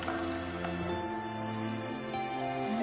うん！